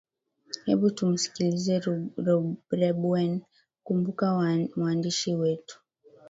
hebu tumsikilize rebuen kumbuka mwandishi wetu